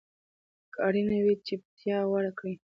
که اړینه وي، چپتیا غوره کړئ.